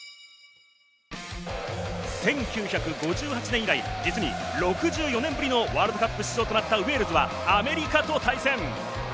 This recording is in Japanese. １９５８年以来、実に６４年ぶりのワールドカップ出場となったウェールズはアメリカと対戦。